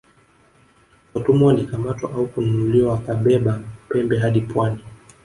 Watumwa walikamatwa au kununuliwa wakabeba pembe hadi pwani